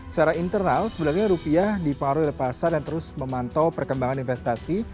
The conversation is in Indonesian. secara internal sebenarnya rupiah dipengaruhi oleh pasar yang terus memantau perkembangan investasi